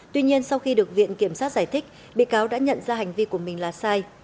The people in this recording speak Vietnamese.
tuy nhiên sau khi được viện kiểm sát giải thích bị cáo đã nhận ra hành vi của mình là sai